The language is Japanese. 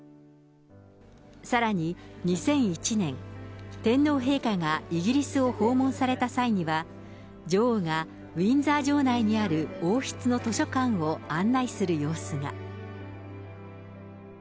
さらに２００１年、天皇陛下がイギリスを訪問された際には、女王が、ウィンザー城内にある王室の図書館を案内する様子が。